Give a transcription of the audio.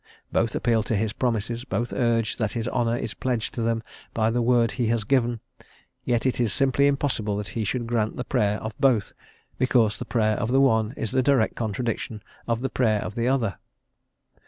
Both appeal to his promises; both urge that his honour is pledged to them by the word he has given; yet it is simply impossible that he should grant the Prayer of both, because the Prayer of the one is the direct contradiction of the prayer of the other.